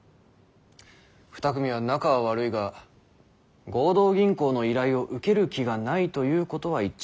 二組は仲は悪いが合同銀行の依頼を受ける気がないということは一致しておるようだ。